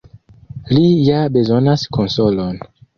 Li ja bezonas konsolon.